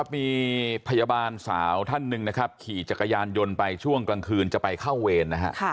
มีถ่ายบ้านสาวท่านหนึ่งขี่จักรยานยนต์ไปช่วงกลางคืนจะไปเข้าเวร